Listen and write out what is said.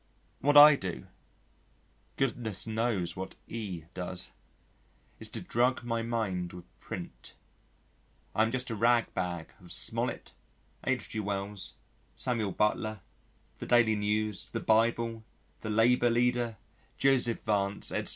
What I do (goodness knows what E does), is to drug my mind with print. I am just a rag bag of Smollett, H.G. Wells, Samuel Butler, the Daily News, the Bible, the Labour Leader, Joseph Vance, etc.